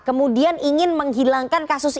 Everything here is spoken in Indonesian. kemudian ingin menghilangkan kasus